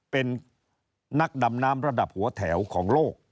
เป็นนักดำน้ำระดับหัวแถวของโลก